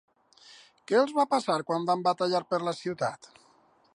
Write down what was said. Què els va passar quan van batallar per la ciutat?